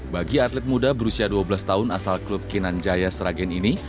bagi atlet muda berusia dua belas tahun asal klub kinan jaya sragen ini